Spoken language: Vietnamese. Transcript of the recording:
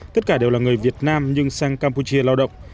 tất cả đều là người việt nam nhưng sang campuchia lao động